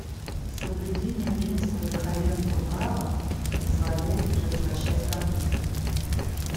Соблюдение принципа верховенства права позволяет предотвращать конфликты.